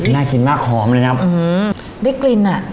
น่ากินมากหอมเลยนะครับ